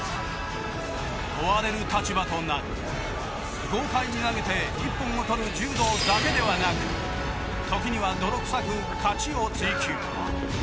追われる立場となり豪快に投げて一本を取る柔道だけではなく時には泥臭く勝ちを追求。